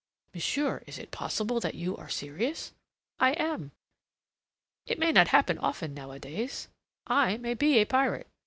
"Monsieur, is it possible that you are serious?" "I am. It may not happen often nowadays. I may be a pirate.